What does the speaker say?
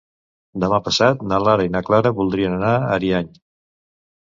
Demà passat na Lara i na Clara voldrien anar a Ariany.